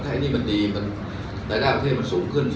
ถ้าอันนี้มันดีรายละยะประเทศมันสูงขึ้น